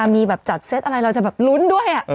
มีแบบจัดเซตอะไรเราจะแบบลุ้นด้วย